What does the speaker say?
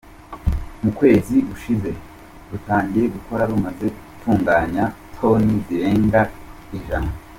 Mu kwezi gushize rutangiye gukora rumaze gutunganya toni zirenga ijana.